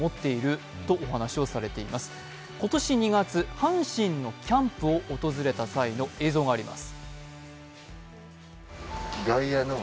今年２月、阪神のキャンプを訪れた際の映像があります。